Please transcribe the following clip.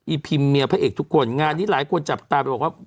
พิมพ์เมียพระเอกทุกคนงานนี้หลายคนจับตาไปบอกว่า